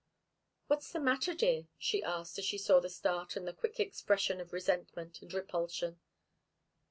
"What's the matter, dear?" she asked, as she saw the start and the quick expression of resentment and repulsion.